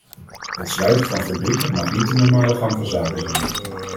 Het sluiten van fabrieken mag niet de normale gang van zaken zijn.